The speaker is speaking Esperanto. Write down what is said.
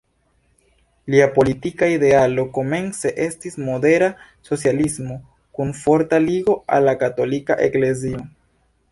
Lia politika idealo komence estis modera socialismo kun forta ligo al la katolika eklezio.